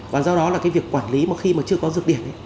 việc quản lý khi mà chưa có dược điển